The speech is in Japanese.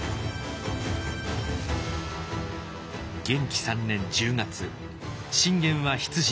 元亀３年１０月信玄は出陣。